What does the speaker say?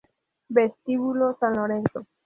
Vestíbulo San Lorenzo